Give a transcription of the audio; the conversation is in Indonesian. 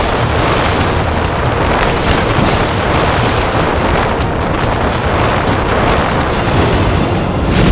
s live sendenya tidak sampai sama sekarang itu